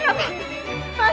ya allah oh tuhan